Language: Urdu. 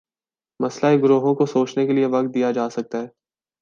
مسلح گروہوں کو سوچنے کے لیے وقت دیا جا سکتا ہے۔